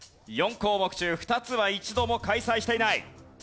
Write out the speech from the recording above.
４項目中２つは一度も開催していない。